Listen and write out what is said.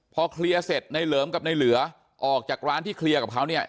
พอเคลียร์เสร็จในเหลิมกับในเหลือออกจากร้านที่เคลียร์กับเขาเนี่ย